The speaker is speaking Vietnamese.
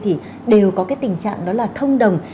thì đều có cái tình trạng đó là thông đồng